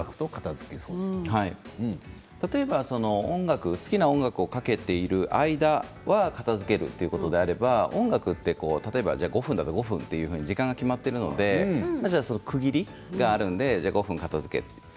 例えば、好きな音楽をかけている間は片づけるということであれば音楽は例えば５分なら５分と時間が決まっているので区切りがあるので、５分片づける。